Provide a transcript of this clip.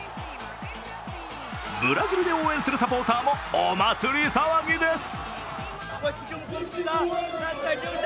ブラジルで応援するサポーターもお祭り騒ぎです。